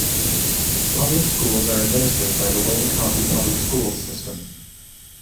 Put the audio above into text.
Public schools are administered by the Wayne County Public Schools system.